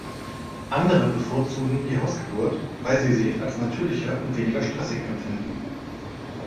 Andere bevorzugen die Hausgeburt, weil sie sie als natürlicher und weniger stressig empfinden.